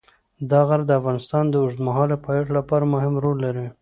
دا غر د افغانستان د اوږدمهاله پایښت لپاره مهم رول لري.